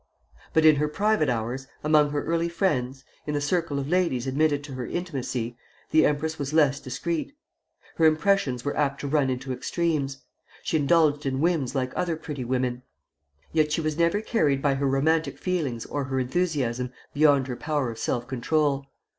But in her private hours, among her early friends, in the circle of ladies admitted to her intimacy, the empress was less discreet. Her impressions were apt to run into extremes; she indulged in whims like other pretty women; yet she was never carried by her romantic feelings or her enthusiasm beyond her power of self control.